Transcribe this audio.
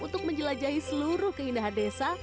untuk menjelajahi seluruh keindahan desa